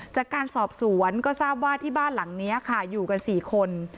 จากการสอบสวนก็ทราบว่าที่บ้านหลังนี้ค่ะอยู่กัน๔คน